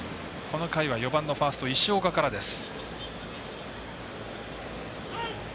この回は４番ファースト石岡からです。